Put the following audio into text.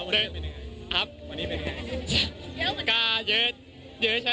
แล้ววันนี้เป็นยังไง